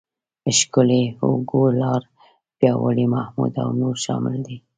ښکلی، هوګو، لاړ، پیاوړی، محمود او نور شامل دي.